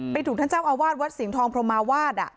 ถูกท่านเจ้าอาวาสวัดสิงห์ทองพรหมาวาด